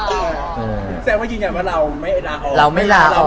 แสดงว่าจริงว่าเราไม่ลาออก